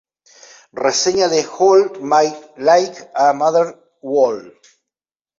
Reseña de "Hold me like a mother would".